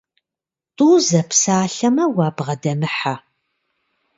ТӀу зэпсалъэмэ, уабгъэдэмыхьэ.